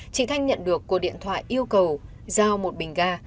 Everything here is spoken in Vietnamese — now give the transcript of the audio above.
chị thanh nhận được cuộc điện thoại yêu cầu giao một bình ga